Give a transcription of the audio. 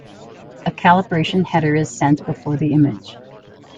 A calibration header is sent before the image.